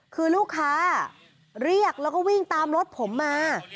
คือลูกค้าเรียกแล้วก็วิ่งตามรถผมมา